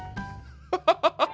ハハハハハ！